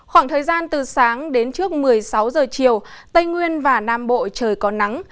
khoảng thời gian từ sáng đến trước một mươi sáu giờ chiều tây nguyên và nam bộ trời có nắng